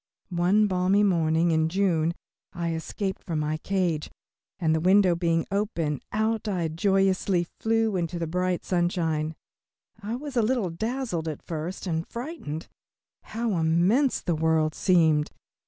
One balmy morning in June, I escaped from my cage, and the window being open, out I joyously flew into the bright sunshine. I was a little dazzled at first and frightened. How immense the world seemed!